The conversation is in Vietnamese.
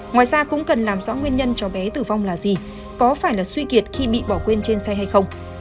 ngoài ra cũng cần làm rõ nguyên nhân cháu bé tử vong là gì có phải là suy kiệt khi bị bỏ quên trên xe hay không